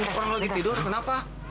orang lagi tidur kenapa